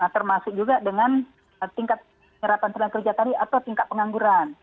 termasuk juga dengan tingkat penyerapan tenaga kerja tadi atau tingkat pengangguran